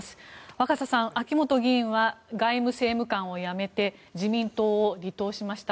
若狭さん、秋本議員は外務政務官を辞めて自民党を離党しました。